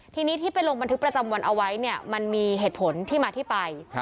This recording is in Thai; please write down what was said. ทีนี้ที่ไปลงบันทึกประจำวันเอาไว้เนี่ยมันมีเหตุผลที่มาที่ไป